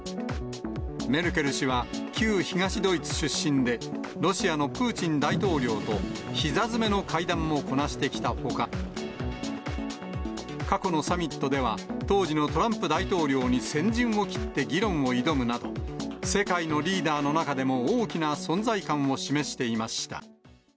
メルケル氏は、旧東ドイツ出身で、ロシアのプーチン大統領とひざ詰めの会談もこなしてきたほか、過去のサミットでは、当時のトランプ大統領に先陣を切って議論を挑むなど、世界のリーダーの中でも大きな存在感を示していました。